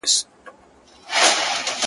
زه پر خپل ځان خپله سایه ستایمه.